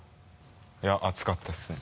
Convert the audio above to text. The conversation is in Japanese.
いや暑かったですね。